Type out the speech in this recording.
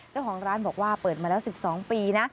เจ้าของร้านบอกว่าเปิดมาแล้ว๑๒ปีนะ